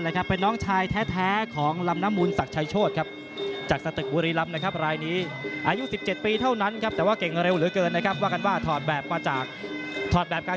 ลักมวยดังในอดีตเจอหมดแล้วทั้งเก่งก้าเก่งการ